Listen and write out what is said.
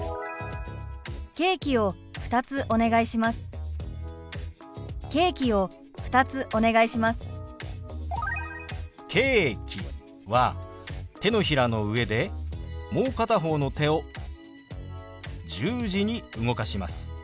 「ケーキ」は手のひらの上でもう片方の手を十字に動かします。